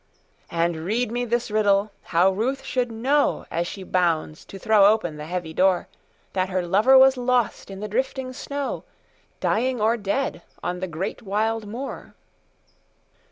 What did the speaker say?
And read me this riddle, how Ruth should know, As she bounds to throw open the heavy door, That her lover was lost in the drifting snow, Dying or dead, on the great wild moor.